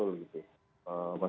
bagaimana kemudian mengatur